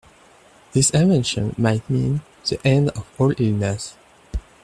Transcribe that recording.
This invention might mean the end of all illness.